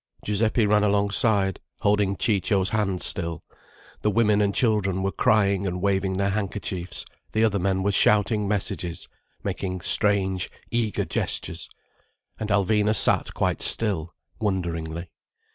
Giuseppe ran alongside, holding Ciccio's hand still; the women and children were crying and waving their handkerchiefs, the other men were shouting messages, making strange, eager gestures. And Alvina sat quite still, wonderingly.